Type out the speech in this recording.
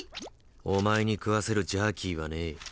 お前に食わせるジャーキーはねえ。